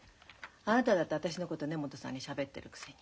あなただって私のこと根本さんにしゃべってるくせに。